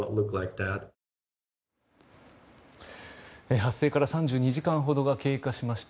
発生から３２時間ほどが経過しました。